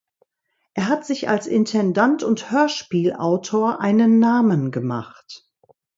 Er hat sich als Intendant und Hörspielautor einen Namen gemacht.